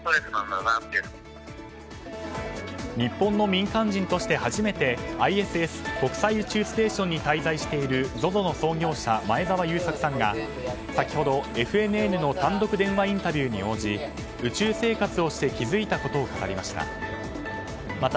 日本の民間人として初めてＩＳＳ・国際宇宙ステーションに滞在しているＺＯＺＯの創業者前澤友作さんが先ほど、ＦＮＮの単独電話インタビューに応じ宇宙生活をして気づいたことを語りました。